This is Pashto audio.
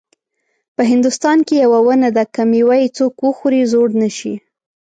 په هندوستان کې یوه ونه ده که میوه یې څوک وخوري زوړ نه شي.